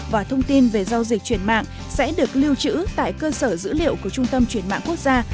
và thông tin về giao dịch chuyển mạng sẽ được lưu trữ tại cơ sở dữ liệu của trung tâm chuyển mạng quốc gia